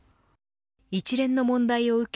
一連の問題を受け